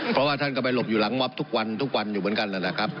เพราะว่าท่านก็ไปหลบอยู่หลังม็อบทุกวันทุกวันอยู่เหมือนกันนะครับ